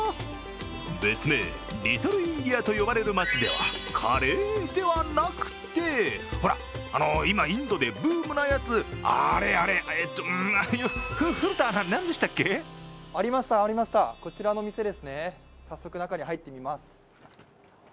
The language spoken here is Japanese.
別名リトルインディアと呼ばれる街では、カレーではなくて、ほら、あの今インドでブームなやつ、あれ、あれえーっと、古田アナ、何でしたっけ？ありました、ありました、こちらの店ですね、早速入ってみます。